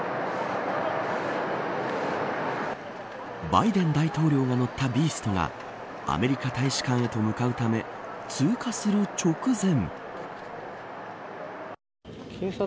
バイデン大統領が乗ったビーストがアメリカ大使館へと向かうため通過する直前。